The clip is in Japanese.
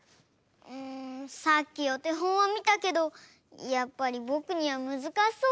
んさっきおてほんをみたけどやっぱりぼくにはむずかしそうだよ。